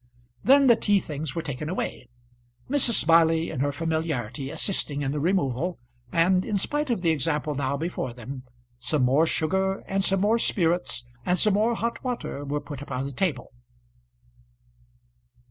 Then the tea things were taken away, Mrs. Smiley in her familiarity assisting in the removal, and in spite of the example now before them some more sugar and some more spirits, and some more hot water were put upon the table.